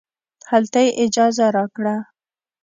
هلته یې اجازه راکړه.